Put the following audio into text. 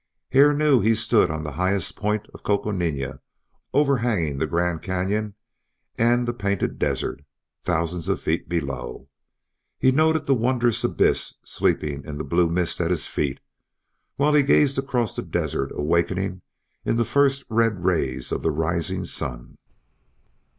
Hare knew he stood on the highest point of Coconina overhanging the Grand Canyon and the Painted Desert, thousands of feet below. He noted the wondrous abyss sleeping in blue mist at his feet, while he gazed across to the desert awakening in the first red rays of the rising sun.